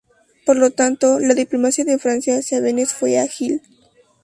Por lo tanto, la diplomacia de Francia hacia Beneš fue ágil.